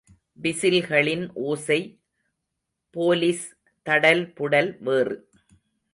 விசில்களின் ஓசை போலிஸ் தடல்புடல் வேறு.